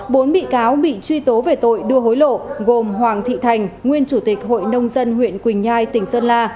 bốn bị cáo bị truy tố về tội đưa hối lộ gồm hoàng thị thành nguyên chủ tịch hội nông dân huyện quỳnh nhai tỉnh sơn la